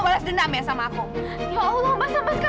maksud kamu lara tuh sakit